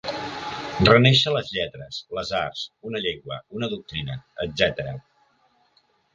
Renéixer les lletres, les arts, una llengua, una doctrina, etc.